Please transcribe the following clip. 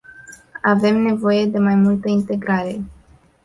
Avem nevoie de mai multă integrare.